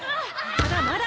まだまだ！